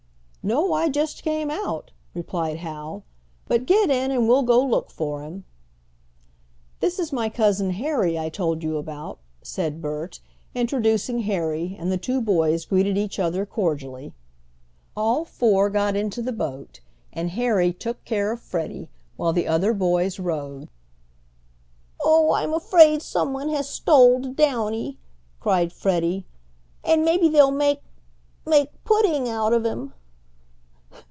"No, I just came out," replied Hal. "But get in and we'll go look for him." "This is my Cousin Harry I told you about," said Bert, introducing Harry, and the two boys greeted each other, cordially. All four got into the boat, and Harry took care of Freddie while the other boys rowed. "Oh. I'm afraid someone has stoled Downy," cried Freddie, "and maybe they'll make make pudding out of him."